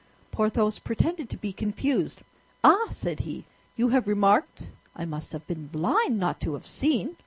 Porthos pretended to be confused. "Ah," said he, "you have remarked—" "I must have been blind not to have seen."